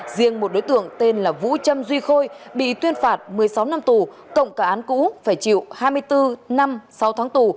riêng một đối tượng tên là vũ trâm duy khôi bị tuyên phạt một mươi sáu năm tù cộng cả án cũ phải chịu hai mươi bốn năm sáu tháng tù